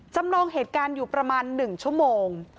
จำลองเหตุการณ์อยู่ประมาณ๑ชั่วโมง